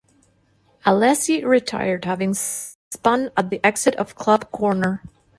Alesi retired having spun at the exit of Club Corner.